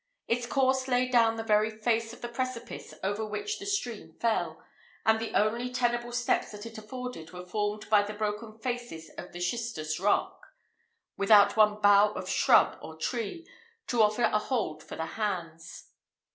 Its course lay down the very face of the precipice over which the stream fell, and the only tenable steps that it afforded were formed by the broken faces of the schistus rock, without one bough of shrub or tree to offer a hold for the hands.